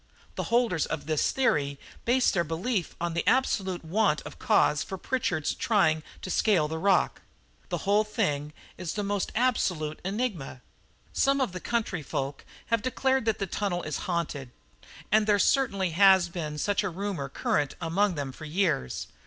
The holders of this theory base their belief on the absolute want of cause for Pritchard's trying to scale the rock. The whole thing is the most absolute enigma. Some of the country folk have declared that the tunnel is haunted (and there certainly has been such a rumour current among them for years).